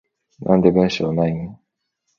なんで文章ないん？